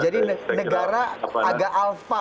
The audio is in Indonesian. jadi negara agak alfa